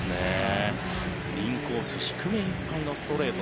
インコース低めいっぱいのストレート